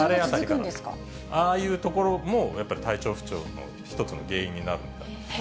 ああいうところもやっぱり体調不調の１つの原因になるんだそうです。